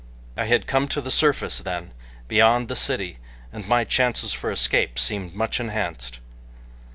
I had come to the surface, then, beyond the city, and my chances for escape seemed much enhanced.